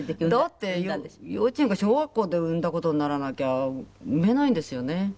だって幼稚園か小学校で産んだ事にならなきゃ産めないんですよね。